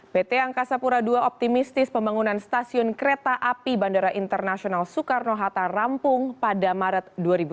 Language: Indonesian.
pt angkasa pura ii optimistis pembangunan stasiun kereta api bandara internasional soekarno hatta rampung pada maret dua ribu dua puluh